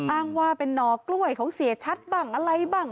อ้างว่าเป็นหนอกล้วยของเสียชัดบ้างอะไรบ้าง